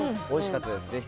おいしかったです。